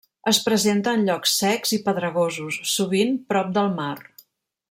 Es presenta en llocs secs i pedregosos, sovint prop del mar.